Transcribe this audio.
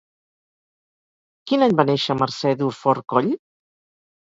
Quin any va néixer Mercè Durfort Coll?